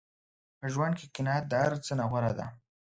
په ژوند کې قناعت د هر څه نه غوره دی.